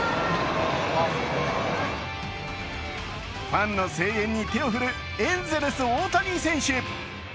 ファンの声援に手を振るエンゼルス・大谷選手。